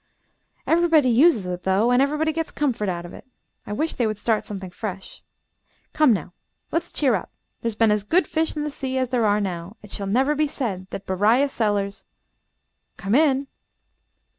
Everybody uses it, though, and everybody gets comfort out of it. I wish they would start something fresh. Come, now, let's cheer up; there's been as good fish in the sea as there are now. It shall never be said that Beriah Sellers Come in?"